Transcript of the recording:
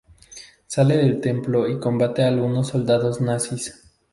Sale del templo y combate a algunos soldados nazis.